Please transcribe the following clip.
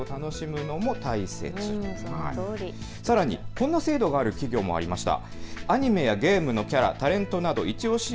こんな制度がある企業もありました。